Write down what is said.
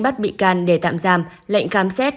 bắt bị can để tạm giam lệnh khám xét